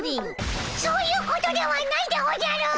そういうことではないでおじゃる！